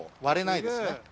割れないですね。